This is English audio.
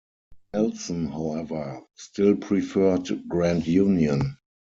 Nelson, however, still preferred Grand Union.